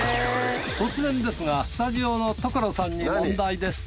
突然ですがスタジオの所さんに問題です。